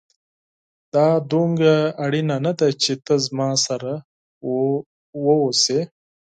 دا دومره اړينه نه ده چي ته زما سره واوسې